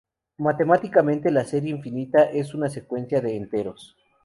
Matemáticamente, la serie infinita es una secuencia de enteros.